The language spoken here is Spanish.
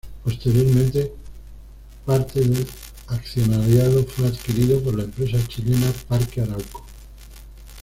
Posteriormente parte del accionariado fue adquirido por la empresa chilena Parque Arauco.